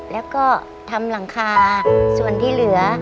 แล้วก็ทำหลังคาส่วนที่เหลือ